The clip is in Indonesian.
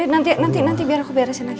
nanti nanti biar aku beresin lagi